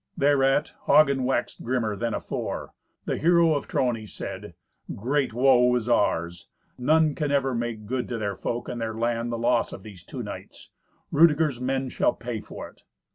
Thereat Hagen waxed grimmer than afore. The hero of Trony said, "Great woe is ours. None can ever make good to their folk and their land the loss of these two knights. Rudeger's men shall pay for it."